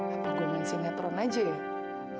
apa gue mensi netron aja ya